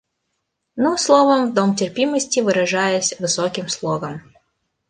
Ну, словом, в дом терпимости, выражаясь высоким слогом